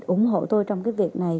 ủng hộ tôi trong cái việc này